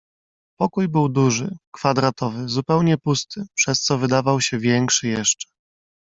"Pokój był duży, kwadratowy, zupełnie pusty, przez co wydawał się większy jeszcze."